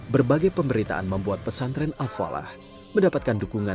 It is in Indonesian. berbagai pemberitaan membuat pesantren al falah mendapatkan dukungan